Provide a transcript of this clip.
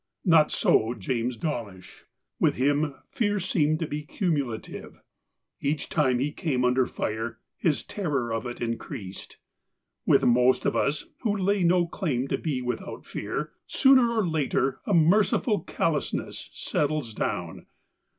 Not so James Dawlish. With him fear seemed to be cumulative. Each time he came under fire, his terror of it increased. With most of us, who lay no claim to be without fear, sooner or later a merciful callous ness settles down.